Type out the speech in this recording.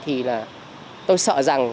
thì là tôi sợ rằng